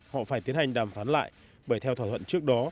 họ phải tiến hành đàm phán lại bởi theo thỏa thuận trước đó